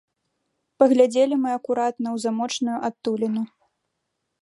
Паглядзелі мы акуратна ў замочную адтуліну.